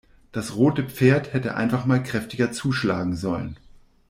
Das rote Pferd hätte einfach mal kräftiger zuschlagen sollen.